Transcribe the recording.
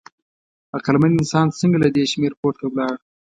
عقلمن انسان څنګه له دې شمېر پورته ولاړ؟